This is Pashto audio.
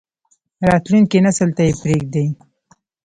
راتلونکی نسل ته یې پریږدئ